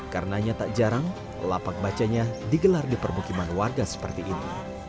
karenanya tak jarang lapak bacanya digelar di permukiman warga seperti ini